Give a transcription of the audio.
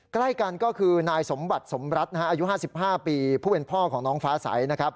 ใกล้กันก็คือนายสมบัติสมรัฐนะฮะอายุ๕๕ปีผู้เป็นพ่อของน้องฟ้าใสนะครับ